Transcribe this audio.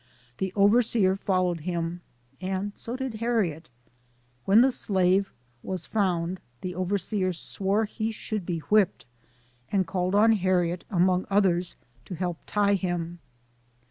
The overseer followed him, and so did Harriet. When the slave was found, the overseer ' swore he should be whipped, and called on Harriet, among others, to help tie him.